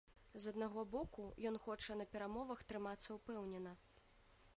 З аднаго боку, ён хоча на перамовах трымацца ўпэўнена.